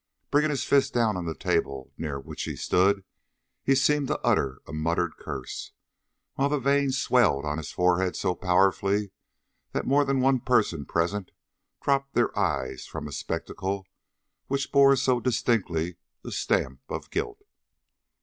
Bringing his fist down on the table near which he stood, he seemed to utter a muttered curse, while the veins swelled on his forehead so powerfully that more than one person present dropped their eyes from a spectacle which bore so distinctly the stamp of guilt.